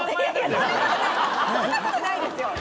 そんな事ないですよ！